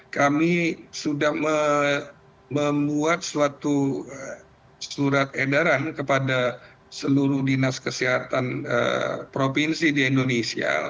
kami sudah membuat suatu surat edaran kepada seluruh dinas kesehatan provinsi di indonesia